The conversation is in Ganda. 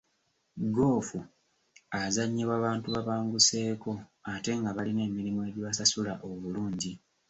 Ggoofu azannyibwa bantu babanguseeko ate nga balina emirimu egibasasula obulungi.